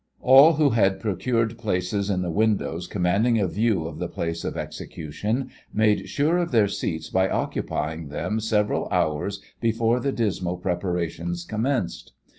All who had procured places in the windows commanding a view of the place of execution made sure of their seats by occupying them several hours before the dismal preparations commenced.